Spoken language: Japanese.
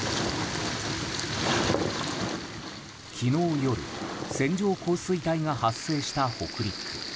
昨日夜線状降水帯が発生した北陸。